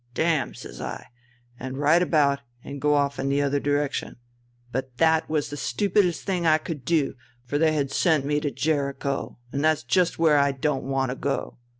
'Damn!' says I, and right about, and go off in the other direction. But that was the stupidest thing I could do, for they had sent me to Jericho, and that's just where I don't want to go.